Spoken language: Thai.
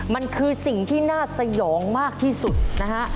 มันคือสิ่งที่น่าสยองมากที่สุดนะฮะ